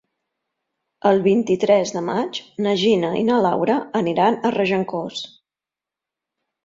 El vint-i-tres de maig na Gina i na Laura aniran a Regencós.